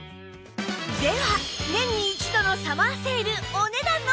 では年に一度のサマーセールお値段の発表！